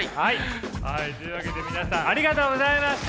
はいというわけで皆さんありがとうございました！